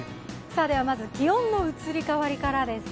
ではまず気温の移り変わりからです。